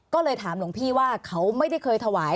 ก็เลยถามหลวงพี่ว่าเขาไม่ได้เคยถวาย